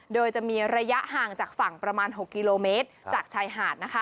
โดยจะมีระยะห่างจากฝั่งประมาณ๖กิโลเมตรจากชายหาด